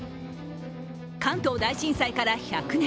関東大震災から１００年。